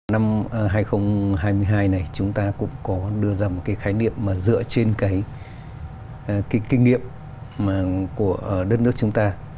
năm hai nghìn hai mươi hai này chúng ta cũng có đưa ra một cái khái niệm mà dựa trên cái kinh nghiệm của đất nước chúng ta